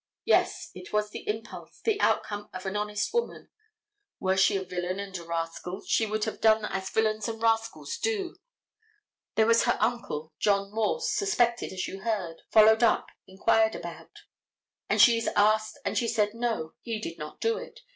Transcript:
Yes, it was the impulse, the outcome of an honest woman. Were she a villain and a rascal, she would have done as villains and rascals do. There was her uncle, John Morse, suspected as you heard, followed up, inquired about, and she is asked and she said, no, he did not do it.